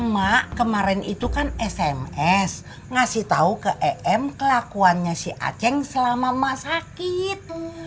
mak kemarin itu kan sms ngasih tahu ke em kelakuannya si aceng selama mak sakit